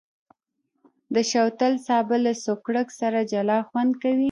د شوتل سابه له سوکړک سره جلا خوند کوي.